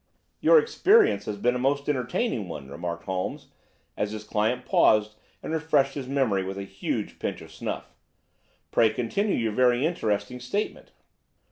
"Your experience has been a most entertaining one," remarked Holmes as his client paused and refreshed his memory with a huge pinch of snuff. "Pray continue your very interesting statement."